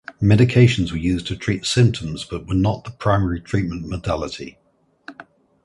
Medications were used to treat symptoms but were not the primary treatment modality.